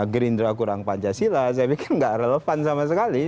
gerindra kurang pancasila saya pikir nggak relevan sama sekali